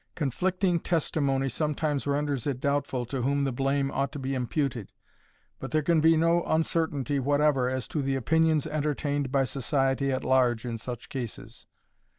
Conflicting testimony sometimes renders it doubtful to whom the blame ought to be imputed, but there can be no uncertainty whatever as to the opinions entertained by society at large in such cases.